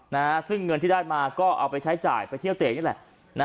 นะฮะซึ่งเงินที่ได้มาก็เอาไปใช้จ่ายไปเที่ยวเจ๋งอย่างเนี้ยแหละ